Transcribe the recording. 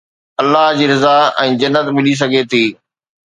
الله جي رضا ۽ جنت ملي سگهي ٿي